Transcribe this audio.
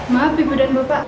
maaf ibu dan bapak